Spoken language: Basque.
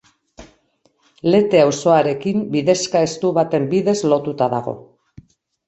Lete auzoarekin bidexka estu baten bidez lotuta dago.